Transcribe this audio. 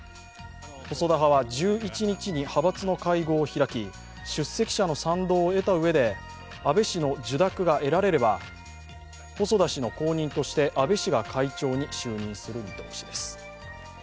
細田派は１１日に派閥の会合を開き、出席者の賛同を得たうえで安倍氏の受諾が得られれば細田氏の後任として安倍氏が会長に就任する見通しです。